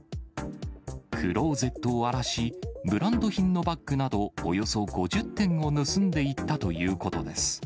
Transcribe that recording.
クローゼットを荒らし、ブランド品のバッグなどおよそ５０点を盗んでいったということです。